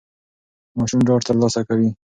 ماشوم ډاډ ترلاسه کوي.